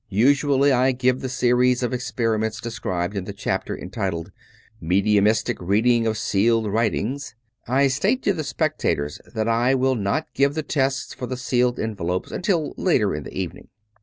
Usually I give the series of experiments described in the chapter entitled '' Mediumistic Reading of Sealed Writings/' I state to the spectators that I will not 273 True Stories of Modern Magic give the tests for the sealed envelopes until later in the evening.